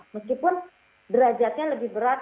meskipun derajatnya lebih berat